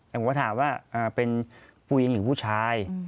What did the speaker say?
แต่ผมก็ถามว่าเป็นผู้หญิงหรือผู้ชาย